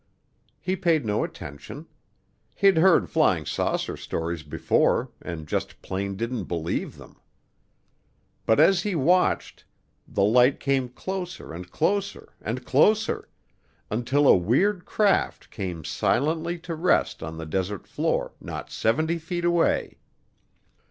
He paid no attention. He'd heard flying saucer stories before and just plain didn't believe them. But as he watched, the light came closer and closer and closer, until a weird craft came silently to rest on the desert floor not seventy feet away.